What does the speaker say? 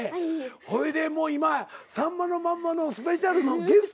ほいでもう今『さんまのまんま』のスペシャルのゲストやからな。